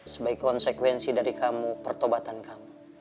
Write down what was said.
sebagai konsekuensi dari kamu pertobatan kamu